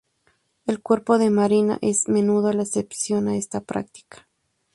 El cuerpo de marina es a menudo la excepción a esta práctica.